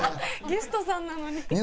ゲストさんなのに。